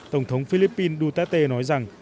tổng thống philippines duterte nói rằng